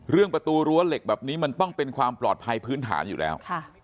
ประตูรั้วเหล็กแบบนี้มันต้องเป็นความปลอดภัยพื้นฐานอยู่แล้ว